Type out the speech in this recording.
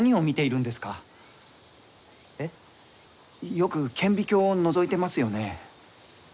よく顕微鏡をのぞいてますよね？